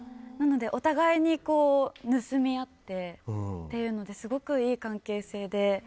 なのでお互いに盗み合ってというのですごくいい関係性で。